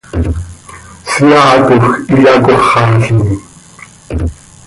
Seaatoj iyacóxalim.